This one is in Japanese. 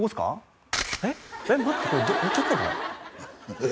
えっ？